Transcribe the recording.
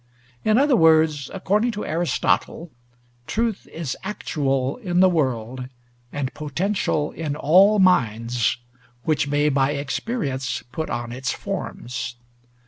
In other words, according to Aristotle, truth is actual in the world and potential in all minds, which may by experience put on its forms.